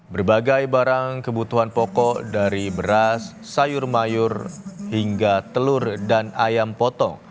berbagai barang kebutuhan pokok dari beras sayur mayur hingga telur dan ayam potong